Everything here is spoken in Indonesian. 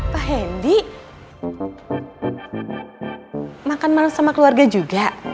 pak hendy makan malam sama keluarga juga